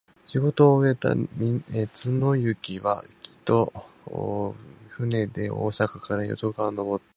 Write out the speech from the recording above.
任期を終えた貫之は、帰途、船で大阪から淀川をのぼって、